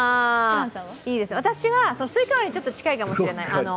私は、すいか割りちょっと近いかもしれない。